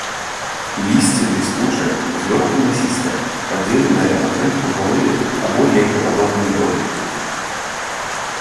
Лісце бліскучае, злёгку мясістае, падзеленае на тры круглявыя або яйкападобныя долі.